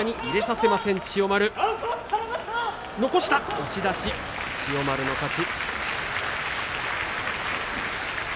押し出し、千代丸の勝ち。